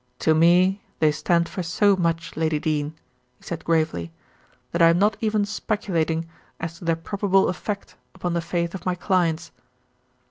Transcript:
"To me they stand for so much, Lady Dene," he said gravely, "that I am not even speculating as to their probable effect upon the faith of my clients."